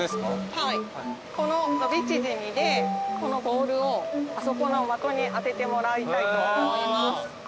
はいこの伸び縮みでこのボールをあそこの的に当ててもらいたいと思います。